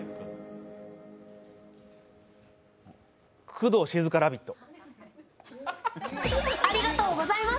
工藤静香ラヴィット！